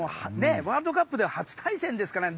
ワールドカップで初対戦ですからね。